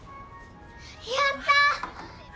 やった！